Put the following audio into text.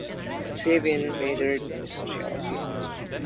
Fabian majored in sociology.